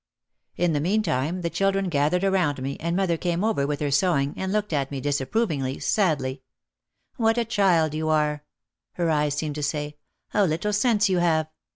In the meantime the children gathered around me and mother came over with her sewing and looked at me disapprovingly, sadly, "What a child you are," her eyes seemed to say. "How little sense you have.